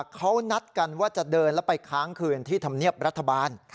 เขานัดกันว่าจะเดินแล้วไปค้างคืนที่ธรรมเนียบรัฐบาล